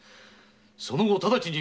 その後ただちに